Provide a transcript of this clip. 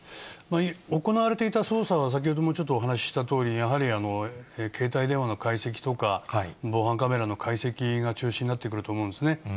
行われていた捜査は、先ほどもちょっとお話したとおり、やはり携帯電話の解析とか、防犯カメラの解析が中心になってくると思うんですね。